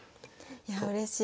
いやうれしい。